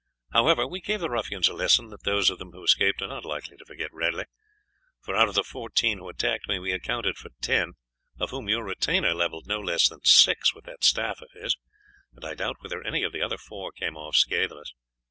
However, we gave the ruffians a lesson that those of them who escaped are not likely to forget readily, for out of the fourteen who attacked me we accounted for ten, of whom your retainer levelled no less than six with that staff of his, and I doubt whether any of the other four came off scatheless.